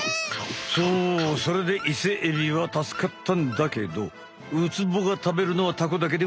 そうそれでイセエビは助かったんだけどウツボが食べるのはタコだけではない。